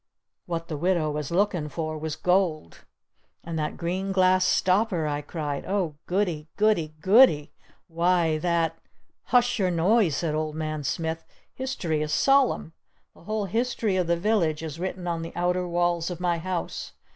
What the widow was lookin' for was gold!" "And that green glass stopper!" I cried. "Oh, Goodie Goodie Goodie! Why, that " "Hush your noise!" said Old Man Smith. "History is solemn! The whole history of the village is written on the outer walls of my house!